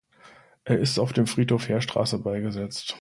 Er ist auf dem Friedhof Heerstraße beigesetzt.